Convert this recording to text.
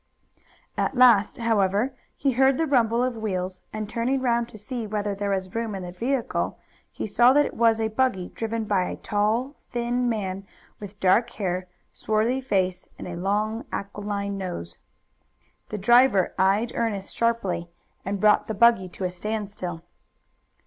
At last, however, he heard the rumble of wheels, and turning round to see whether there was room in the vehicle, he saw that it was a buggy driven by a tall, thin man with dark hair, swarthy face and a long, aquiline nose. The driver eyed Ernest sharply and brought the buggy to a standstill.